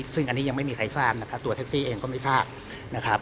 ซึ่งอันนี้ยังไม่มีใครทราบนะครับตัวแท็กซี่เองก็ไม่ทราบนะครับ